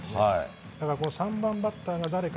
だから３番バッターが誰か。